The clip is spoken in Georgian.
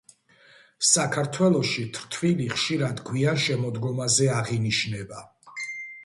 საქართველოში თრთვილი ხშირად გვიან შემოდგომაზე აღინიშნება.